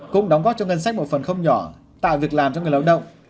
cũng đóng góp cho ngân sách một phần không nhỏ tạo việc làm cho người lao động